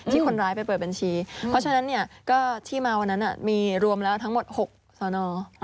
คนร้ายไปเปิดบัญชีเพราะฉะนั้นเนี่ยก็ที่มาวันนั้นมีรวมแล้วทั้งหมด๖สอนอ